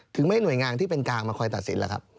ถึงไม่หน่วยงานที่เป็นกลางมาคอยตัดสินแล้วครับ